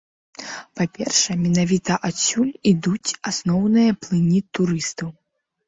Па-першае, менавіта адсюль ідуць асноўныя плыні турыстаў.